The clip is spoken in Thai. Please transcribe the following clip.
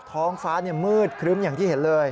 ท้องฟ้ามืดครึ้มอย่างที่เห็นเลย